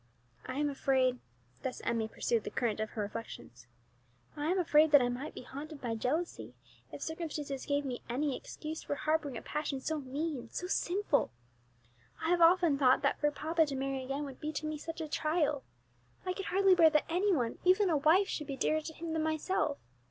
I am afraid," thus Emmie pursued the current of her reflections, "I am afraid that I might be haunted by jealousy, if circumstances gave me any excuse for harbouring a passion so mean, so sinful. I have often thought that for papa to marry again would be to me such a trial. I could hardly bear that any one, even a wife, should be dearer to him than myself.